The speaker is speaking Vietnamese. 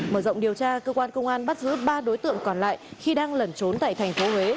mở rộng điều tra cơ quan công an bắt giữ ba đối tượng còn lại khi đang lẩn trốn tại thành phố huế